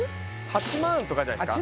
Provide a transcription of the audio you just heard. ８万とかじゃないですか？